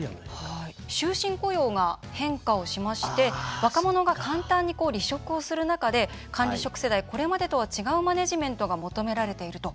終身雇用が変化をしまして若者が簡単に離職をする中で管理職世代、これまでとは違うマネジメントが求めれていると。